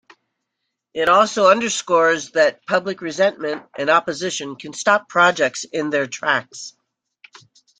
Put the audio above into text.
It also "underscores that public resentment and opposition can stop projects in their tracks".